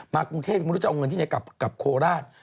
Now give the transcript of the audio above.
มากรุงเทพฯมรุจเจ้าเอาเงินที่ไหนกลับโคราช